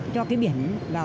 cho cái biển